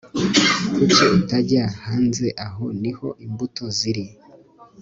Kuki utajya hanze Aho niho imbuto ziri